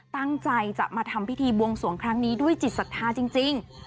ตั้งใจจะมาทำพิธีบวงสวงครั้งนี้ด้วยจิตศรัทธาจริง